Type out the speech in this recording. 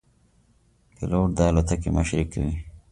پیلوټ د الوتکې مشري کوي.